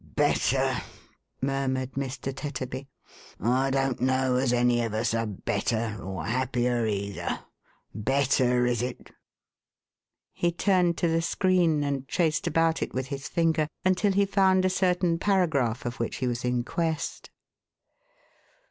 " Better !" murmured Mr. Tetterby. " I don't know as any of us are better, or happier either. Better, is it ?" He turned to the screen, and traced about it with his finger, until he found a certain paragraph of which he was in quest.